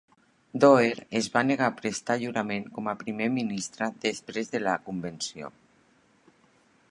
Doer es va negar a prestar jurament com a primer ministre després de la convenció.